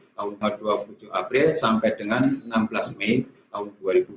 tahun dua puluh tujuh april sampai dengan enam belas mei tahun dua ribu dua puluh